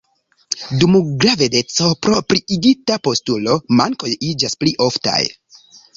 Dum gravedeco, pro pliigita postulo, mankoj iĝas pli oftaj.